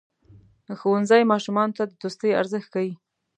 ښوونځی ماشومانو ته د دوستۍ ارزښت ښيي.